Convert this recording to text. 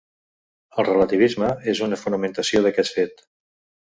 El relativisme és una fonamentació d'aquest fet.